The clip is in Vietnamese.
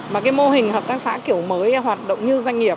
mà cái mô hình hợp tác xã kiểu mới thì hoạt động hoàn toàn như doanh nghiệp